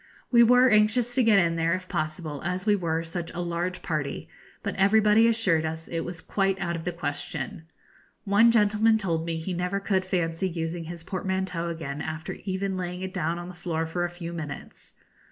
We were anxious to get in there if possible, as we were such a large party, but everybody assured us it was quite out of the question. One gentleman told me he never could fancy using his portmanteau again after even laying it down on the floor for a few minutes.